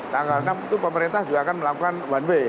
tanggal enam itu pemerintah juga akan melakukan one way